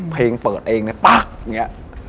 เพลงเปิดเองนะปั๊กอย่างนี้